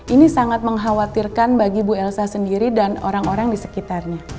ini sangat mengkhawatirkan bagi bu elsa sendiri dan orang orang di sekitarnya